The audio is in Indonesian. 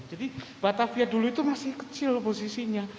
jadi batavia dulu itu masih kecil posisinya